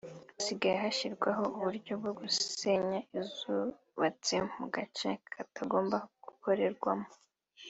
hasigara gushyirwaho uburyo bwo gusenya izubatse mu gace katagomba gukorerwamo